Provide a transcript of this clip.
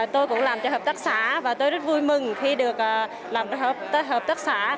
tôi cũng làm cho hợp tác xã và tôi rất vui mừng khi được làm cho hợp tác xã